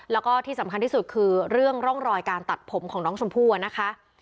แล้วก็ที่สำคัญที่สุดคือเรื่องร่องรอยการตัดผมของน้องชมพู่นะคะ